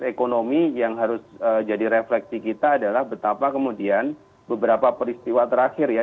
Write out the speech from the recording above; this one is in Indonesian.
ekonomi yang harus jadi refleksi kita adalah betapa kemudian beberapa peristiwa terakhir ya